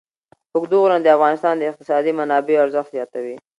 اوږده غرونه د افغانستان د اقتصادي منابعو ارزښت زیاتوي.